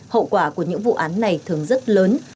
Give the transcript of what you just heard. hậu quả của những vụ án này thường rất lớn